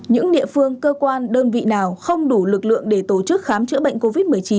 những địa phương cơ quan đơn vị nào không đủ lực lượng để tổ chức khám chữa bệnh covid một mươi chín